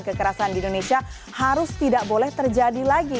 kekerasan di indonesia harus tidak boleh terjadi lagi